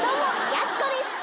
やす子です。